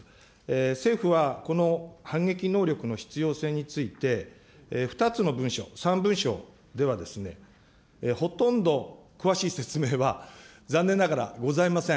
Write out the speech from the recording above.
政府はこの反撃能力の必要性について、２つの文書、３文書ではですね、ほとんど詳しい説明は、残念ながらございません。